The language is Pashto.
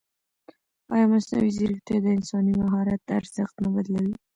ایا مصنوعي ځیرکتیا د انساني مهارت ارزښت نه بدلوي؟